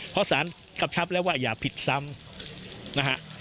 เพราะสารกำชับแล้วว่าอย่าผิดซ้ำนะฮะ